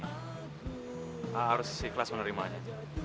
a harus si kelas menerimanya